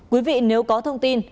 quý vị nếu có thông tin